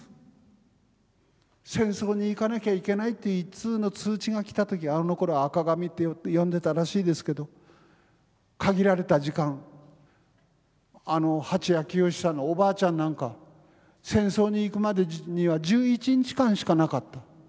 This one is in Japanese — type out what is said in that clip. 戦争に行かなきゃいけないって一通の通知が来た時あのころは赤紙って呼んでたらしいですけど限られた時間あの蜂谷清さんのお婆ちゃんなんか戦争に行くまでには１１日間しかなかった。